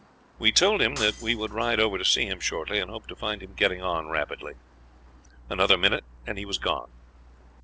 We told him that we would ride over to see him shortly, and hoped to find him getting on rapidly. Another minute and he was gone.